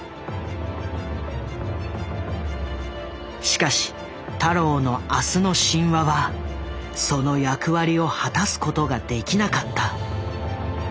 しかし太郎の「明日の神話」はその役割を果たすことができなかった。